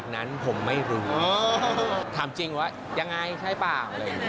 ครูนะ